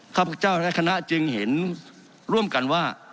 ข้าพเจ้าและคณะจึงเห็นร่วมกันว่า